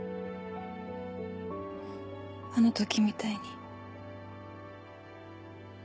あの時みたいに。